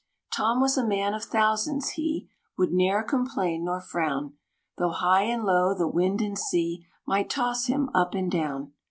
Tom was a man of thousands! he Would ne'er complain nor frown, Though high and low the wind and sea Might toss him up and down.